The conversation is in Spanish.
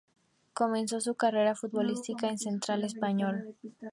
Comenzó su carrera futbolística en Central Español.